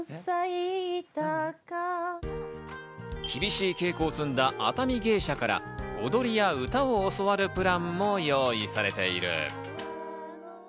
厳しい稽古を積んだ熱海芸者から踊りや歌を教わるプランも用意されている。